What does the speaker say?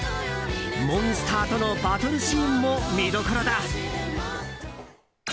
モンスターとのバトルシーンも見どころだ。